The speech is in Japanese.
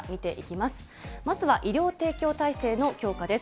まずは医療提供体制の強化です。